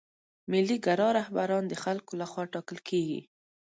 ملي ګرا رهبران د خلکو له خوا ټاکل کیږي.